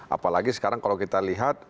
apalagi sekarang kalau kita lihat